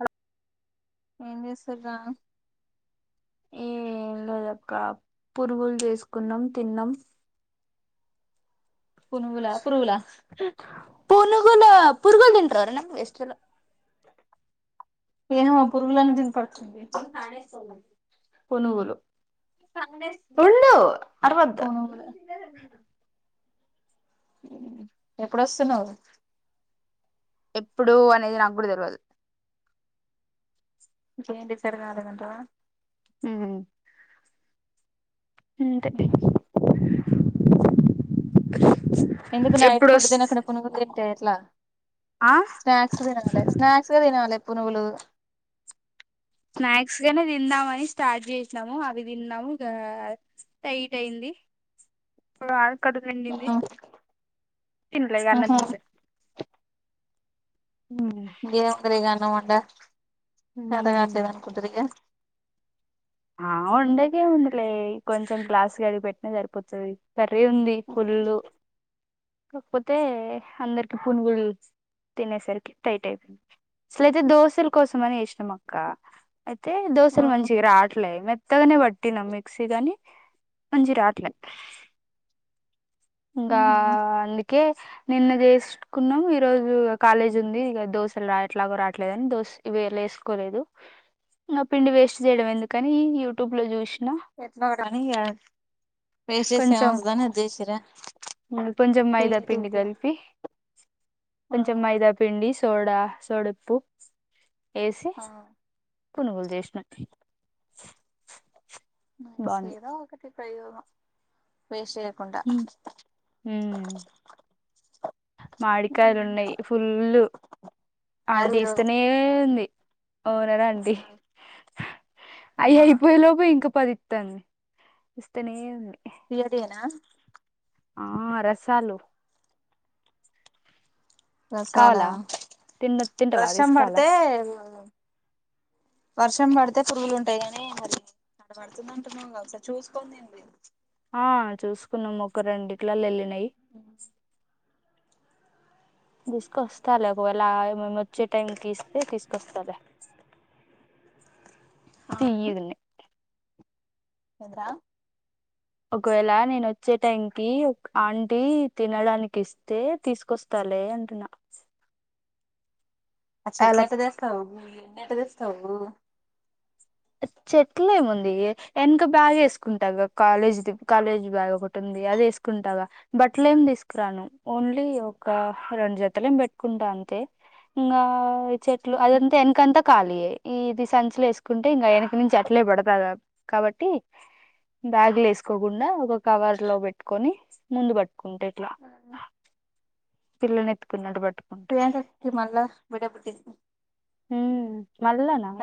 అలో ఏంచేసుర్రా ఏంలేదాక్క పురుగులు చేసుకున్నాం తిన్నాం పునుగులా పురుగులా పూనుగులె పూరుగులు తిన్ట్ర ఏవరన్న వెస్ట్ ఫెలో ఏమో పురుగులని దింపడు పునుగులు వుండు అరవద్ పునుగుల ఎప్పుడోస్తున్నావ్ ఎప్పుడు అనేది నాకు కూడా తెలువాదు ఇంక ఏంటి సర్ కాదనంటవ ఇంతే [unintelligible] ఎందుకు నైట్ ఫుడ్ తినకుండా పునుగు తింటే ఎట్లా ఆ స్నాక్స్ తినాలి స్నాక్స్ తినాలిగ పునుగులు స్నాక్స్ గానే తిందామని స్టార్ట్ చేసినాము అవి తిన్నాము గా టైట్ అయింది కడుపునిండింది తిన్లే ఇగ అన్నాము ఉహు చూసే ఏం ఫ్రీగ అన్నమొన్డా చెతాగాట్లే అనుకుంటూర్రా ఇక ఆ ఉండకే ఉందిలే కొంచెం క్లాస్ కడిగి పెట్టినా సరిపోతది. కర్రీ ఉంది పుల్లు కాకపోతే అందరికి పునుగులు అసలయితే దోశల కోసం అని వేసినాం అక్క. అయితే దోశలు ఆ మంచిగా రా. గే మెత్తగానే పట్టినాం మిక్సీ గని మంచి రాట్లే ఇంకా ఉహు అందుకే. నిన్న చేసుకున్నాం ఈ రోజు కాలేజ్ ఉంది ఇక దోశలు రా ఎట్లాగో రాట్లేదని దోశ ఇ ఆ పిండి వేస్ట్ చేయడం ఎందుని యూట్యూబ్ లో చూసి ఎట్లా ఒకని వేస్ట్ చేస కొంచెం ఏమస్తుందని అది చేసి కొంచెం మైదా పిండి [unintelligible] కలిపి కొంచెం మైదా పిండి సోడా సోడప్పు వేసి ఆ పనుగులు చేసిన అసలు ఎదో ఒకటి ప్రయోగం వేస్ట్ చెయ్యకుండా హమ్ మ్మ్ మాడికాయలు ఉన్నాయి ఫుల్లు శారీ రోజు అంటిస్తనే ఉంది ఒనెలా అండి అవునదండి అవి ఆహా అయిపోయే లోపు ఇంక పది ఇస్త ఇస్తనే తియ్యటియేనా ఆ రసాలుు రసాలా కావాలా తిన్న తింటవా వర్షం తీసుకురాలా పడితే వర్షం పడితే పురుగులు ఉంటాయి గానీ మరిడ పడుతుంది అంటున్నా కస చూసుకోనిండి మీరు ఆ చూసుకున్నాము ఒక రెండిట్లలు వెళ్ళినాయి తీసుకొస్తాలి ఒకవేళ మే వచ్చే టైంకి ఇస్తే తీసుకొస్తాలే తియ్యగున్నాయి ఏదిరా ఒకవేళ నేను వచ్చే టైం కి ఒక ఆంటీ తినడానికి ఇస్తే తీసుకొస్తారు లే అంటున్న [inaudible] ఆ చెట్ల అలా ఎట్ట తెస్తావు ఎన్నిట తెస్తావు చెట్లేముంది వెనక బ్యాగ్ వేసుకుంటా కాలేజ్ కాలేజ్ బ్యాగ్ ఒకటి ఉంది అదే తీసుకుంటాగా బట్టలు ఏమి తీసుకురాను ఓన్లీ ఒక రెండు జతలేం పెట్టుకుంటా అంతే ఇంకా చెట్లు అదంతా వెనకంతాఖాాలీ ఈ ఇది సంచలో వసు ఉంటే ఇంకా వెనక నుంచి అట్లే పడతాద కాబట్టి బ్యాగు్లు వేసుకోకుండా ఒక కవర్ లో పెట్టుకొని ముందు పట్టుకుంటే ఇట్లా మ్ పిల్లనెత్తుకున్నాడు బట్ ప్ర మల్ళ బడబటి హ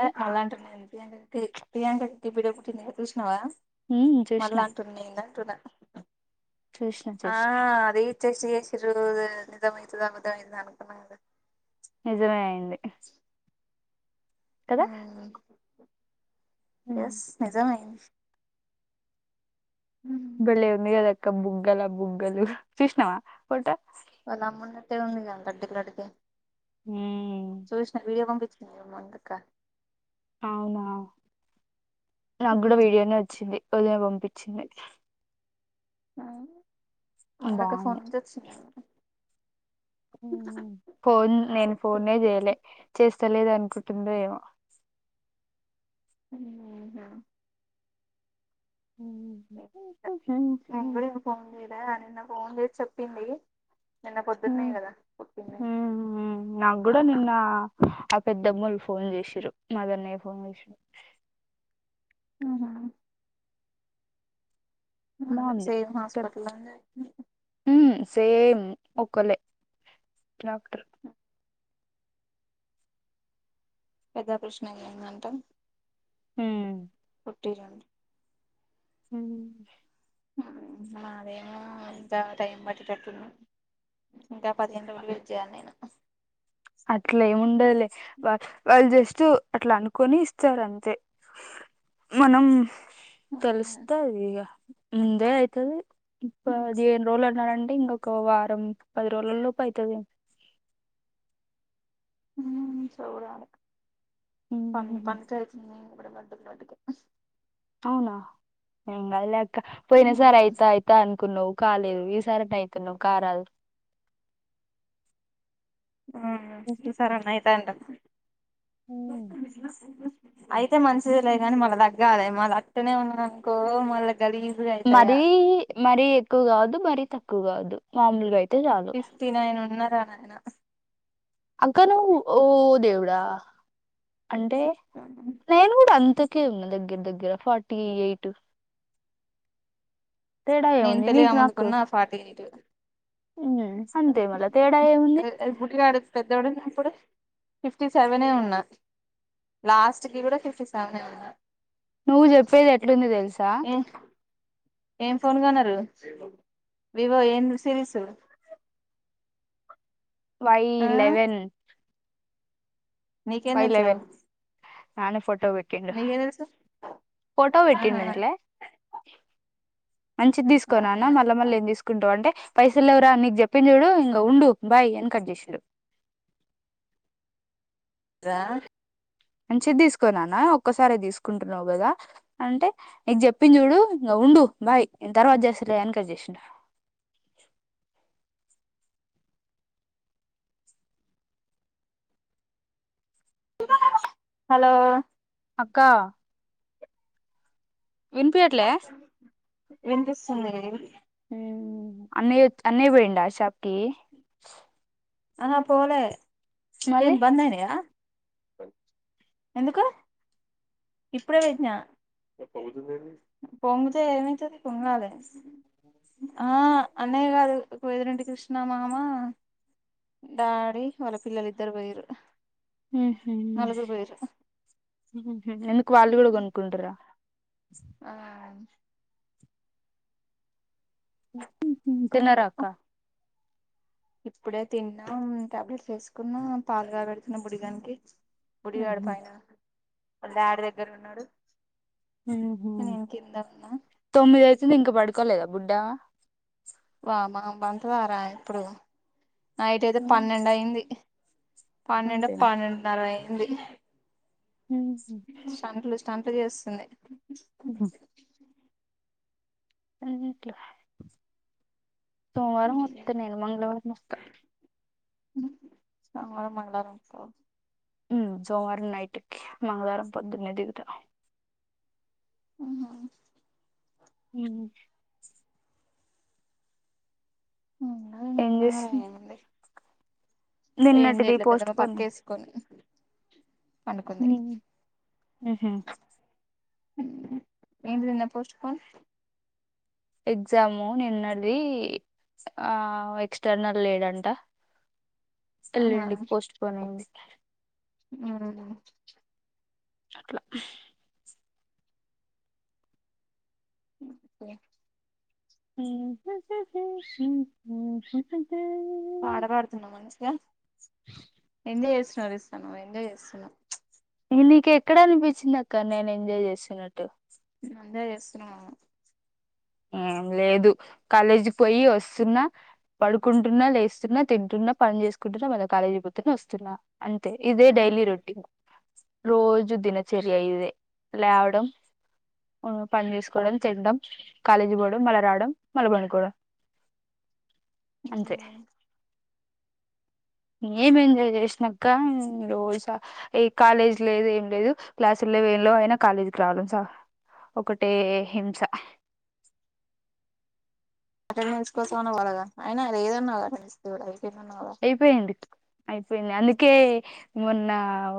అ మళ్లాట్ర న ఎంత ప్రియాంక డిబడ పుట్టింది ఇ చూసినావా ఉమ్, చూసిన మళ్ళా అంటుంది న అంటున్నా చూసిన ఆ చూసిన అది టెస్ట్ చేసిరు నిజమైతాదా అబ్బదమైతదా అనుకున్నా నిజమే అయింది కదా మ్మ్ ఉమ్. ఎస్ నిజామె బళ్ళి ఉంది ఏదక బుంగల బుంగలు చూసినవా ఫోటో వాళ్ళ అమ్మన్నట్టే ఉంది లడ్డకు లడ్డుగా ఉమ్ చూసిన వీడియో పంపి మందుకా అవునా నాకు కూడా ఉమ్. వీడియోనే వచ్చింది ళ పంపించింది మా దకా ఫోన్ బాగుంది నుంచి వచ్చింద ఫోన్ నేను ఫోనే చూసిన చేయలే చేస్తలేద అనుకు తందొ ఏమో హ [inaudible] అ నిన్న ఫోన్ చేసి చెప్పింది నిన్న హ పొద్దున్నే కదా పుట్టింది హ నా కూడాడా నిన్న పెద్దమ్మోలు ఫోన్ చేసిరు మదర్నే ఫోన్ చేసారు ఆ బాగుంది సేమ్ చెప్ హాస్పిటల్ హా సేమ్ ఒకలే పెద్దా ప్రృశ్నందంట హ్మ్ పటిరండి హ మాదేమో ఎంతా టైం పట్టిటట్ ఇంకా పదిహేను రోలు వ చేయను నేను అట్లేమి ఉండదులే వా వాళ్ళు జస్ తు అట్లా అనుకొని ఇస్తరంతే మనం ఉమ్. కల్స్తతాది ఈగ ముందే అయితది ఇప్ప అది అన్నాడ అంటే ఇంకొక వారం పది రోజుల లోపు అయితది ఉ చూడాల పం ఉమ్ పం కరితు మటుకుటుకి అవునా ఇంగా లే అక్క పోయినా సార్ అయితా అయితా అనుకున్నావు్ కాలేదు ఈ సారట్ అయితు నువ్ కారాలు సరే అయితా అడి అయితే మంచిది లే కానీ మళ్ళ తగ్గాలే మల్ల అక్కనే ఉన్నానుకో మళ్ళ గలీజుగా అయితాయి ఇగ మరీ మరీ ఎక్కువ కాదు మర తక్కువ కాదు మామూలుగా అయితే చాలు సిక్స్టీ నైన్ ఉన్నారా నాయన అక్కనూ ఓ దేవుడా అంటే నేను కూడా అంత క్క ఉన్నా దగ్గర దగ్గర ఫార్టీ ఎయిట్ తేడా నేను ఏముంది తెలియ నీకు నాకు ముందుకున్న ఫార్టీ ఎయిట్ అంతే మళ్ళ తేడా ఏముంది గుడిగా ఆడ పెద్దవాడున్న అప్పుడు ఫిఫ్టీ సెవెనే ఉన్నా లాస్ట్ కి కూడా ఫిఫ్టీ సెవెన్ ఉన్నా నువ్వు చెప్పేది ఎట్లుంది తెలుసా ఏ ఏం ఫోన్ కొన్నారు వివో ఏం సిరీస్ వై ఆ లెవెన్ నకందచ్చ ర ఆను ఫోటో పెట్టిండు ఫోటో ఆహా పెటిడింటలే మంచిది తీసుకోని నాన్న అవునా మళ్ళీ మళ్ళీ ఏం తీసుకుంటావు అంటే పైసలు ఎవరా నీకు చెప్పిన చూడు ఇంక ఉండు బాయ్ ఎని కట్ చేసాడు రా మని చెది తీసుకోన్నానా ఒక్కసారి తీసుకుంటున్నావు కదా అంటే నీకు చెప్పి చూడు ఉండు బాయ్ తర్వాత చేస్తలే ఎనకర్ చేసినా అ హలో అక్క వినిపియాట్లే విపిస్తుంది అన్న అన్నయ పోడా షాప్కి అనా పోలే ఏన్ బందేనయ ఎందుకు ఇప్పుడే విజా పొంగుతే ఏమైతుంది పొంగాలి ఆ అన్నయ్య కాదు ఒక వదుంటిడి కృష్ణమా అమా డాడి వాళ్ళ పిల్లలు ఇద్దరు వయరు హ్మ్మ్ ఎందుకు వాళ్ళు కూడా కొనుకుంటరా ఆ తిినరాకా ఇప్పుడే తిన్నా ట్యాబ్లెట్స్ వేసుకున్నా పాలుగాబడుతున్నా బుడిగానికి గుడివాడ పైనళ ఆడ దగ్గర ఉన్నాడు హ నేను కింద ఉన్నా తొమ్మిది అయితుంది ఇంకా పడుకోలేదా బుడ్డా బబ బంతదారా ఇప్పుడు నైట్ అయితే పన్నెండు అయింది పన్నెంండ అంతేనా పన్నెండున్నరవై అయింది స్టంట్లు స్టంట్లు చేస్తుంది ఉ అ సోమవారం వొత్త నను మంగళవారం నస్క సోమవారం మంగళవారం ఉ సోమవారం నైట్కి మంగళవారం పొద్దున్నే దిగుత ఆహ ఉ ఏం నిమ్మలంగా చేసింది ఏముంది ఏం చేయట్లే పోస్ట్ పెద్దమ్మ పోన్ పక్కేసుకొని హా ఏంటిన్న పోస్ట్ ఫన్ ఎగ్జాము నిన్నది ఆ ఎక్స్టర్నల్ లేడ్ంట వెల్లండి పోస్ట్ పోన్ అయింది అ అట్లా ఓకే [inaudible] పాట పాడుతున్నాం అనిషగా ఎం్ చేస అాం ఎజా్ చేసన్నా నీక ఎక్కడ అనిపించిందిక్క నేను ఎంజాయ్ చేస్తున్నట్టు అందా చేసిన ఆ లేదు కాలేజీ పోయి వస్తున్నా పడుకుంటున్నా లేస్తున్నా తింటున్నా పని చేసుకుంటున్నా మళ్ళ కాలేజీ పోతేనే వస్తున్నా అంతే ఇదే డైలీ రొటీన్ రోజు దినచర్యయిదే లేవడం పని చేసుకోవడం చేద్దాం కాాలేజీ బోడు మలరాడు మలబణికూడు అంచే ఏం ఎంజాయ్ చేసినాక రోజా ఏ కాలేజ్ లేదు ఏం లేదు క్లాసులు ఇలవేన్ లో అయినా కాలేజీకి రావాలం ఒకటే హింస అటెండెన్స్ కోసం అన్న వాళగా అయినా లేదన్నా అ అయిపోయిడి అయిపోయింది అందుకే మొన్న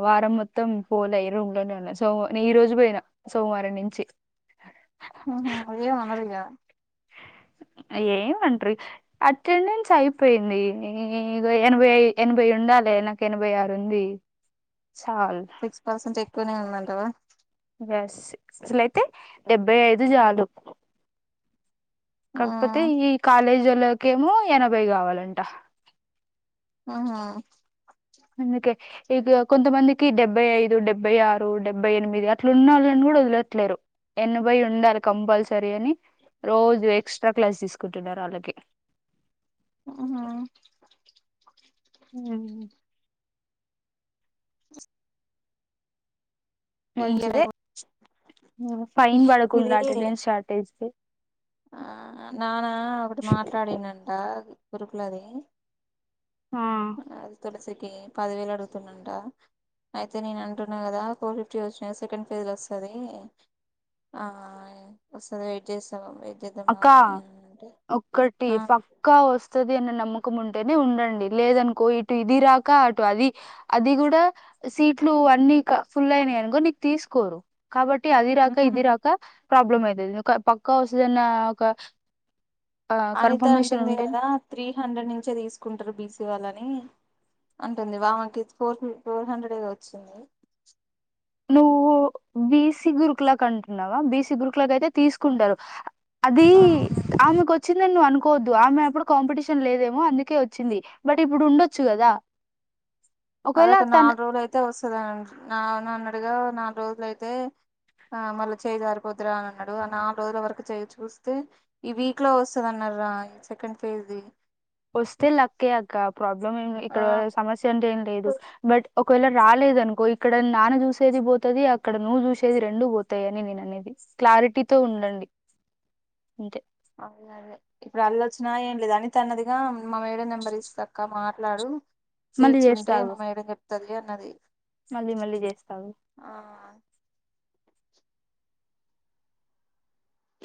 వారం మొత్తం పోలే రూమ్ లోనే ఉన్నాయి సో ఈరు రోజు పోయిన సోమవారం నుంచి ఏ అనరిగా ఏమంటారు అటెండెన్స్ అయిపోయింది ఇ ఎనభై ఎనభై లేకి ఎనభై ఆరుంది సిక్స్ పర్సెంట్ ఎక్కువనే ఉందండవా ఎస్ అసలయితే డెబ్బై ఐదు జాలు కాకపోతే ఉమ్ ఈ కాలేజీలోకేమో ఎనభై కావాలంట అవునా అందుకే ఇక కొంతమందికి డెబ్బై ఐదు డెబ్బై ఆరు డెబ్బై ఎనిమిది అట్ల ఉన్నోళ్ళని కూడా వదిలట్లేరు. ఎనభై ఉండాలి కంపల్సరీ అని రోజు ఎక్స్ట్రా క్లాస్ తీసుకుంటున్నారాళ్ళకి. అవునా అ [inaudible] ఈ ఇయర్ మంచిదే అయితే ఫైన్ పడకుండా ఇది అటెండెన్స్ షార్టేజ్ కి ఆ నాన్న ఒకటి మాట్లాడినంట గురుకులది. తులసికి పదివేలు అడుగుతున్నంట. అయితే నేను అంటున్నా కదా ఫోర్ ఫిఫ్టీ వచ్చినాయి సెకండ్ ఫేస్ ల వస్తది ఆ వస్తది వెయిట్ చేస్తానం వెయి అక్క ఒక్కటి ఆ పక్కా వస్తది అన్న నమ్మక కం ఉంటేనే ఉండండి లేదనుకో ఇటు ఇది రాక అటు అది అది కూడా సీట్లు అన్నీ ఫుల్ అయినాయనుకో నీకు తీసుకోరు. కాబట్టి అది రాక ఉమ్ ఇది రాక ప్రాబ్లం అయితది ఒక పక్కా వస్తదన్నా ఒక ఆ అనిత కన్ఫర్మేషన్ అంటుంది ఉంటే కదా త్రీ హండ్రెడ్ నుంచే తీసుకుంటరు బీసీ వాళ్ళని. అంటుంది వామకి ఫోర్ ఫోర్ హండ్రెడ్గా వచ్చింది. నువ్వు బీసీ గురుకులాకి అంటున్నావా బీసీ గురుకులాక అయితే తీసుకుంటరు. అది ఆ ఆమెకు వచ్ చ్చిందని నువ్వు అనుకోవద్దు ఆమె అప్పుడు కాంపిటీషన్ లేదేమో అందుకే వచ్చింది బట్ ఇప్పుడు ఉండొచ్చు కదా. అద ఒకవేళ ఒక తను నాలుగు రోలు అయితే వస్తుందండి నాన్న అన్నడుగా నాలుగు రోజులు అయితే ఆ మళ్ళీ చేయ జారిపోతురా అని అన్నాడు ఆ నాలు రోజుల వరకు చేయి చూస్తే ఈ వీక్ లో వస్తది అన్న ర్రా సెకండ్ ఫేజ్ది వస్తే లక్కేయక్క ప్రాబ్లం ఆ ఇక్కడ సమస్య అంటే ఏం లేదు బట్ ఒకవేళ రాలేదనుకో ఇక్కడ నాన్న చూసేది పోతది అక్కడ నువ్వు చూసేది రెండు పోతాయి అని నేననేది. క్లారిటీతో ఉండండి అంతే అదే అదే ఇప్పుడు అల్లొచ్చినా ఏం లేదు అనితన్నదిగా మా మేడ నెంబర్ ఇస్తాక్క మా ట్లాడు మళ్ళీ సీట్స్ చేస్తా ఉంటే మా ఆగు మేడం చెప్తది అన్నది. మళ్ళీ మళ్ళీ చేస్తా ఆగు ఆ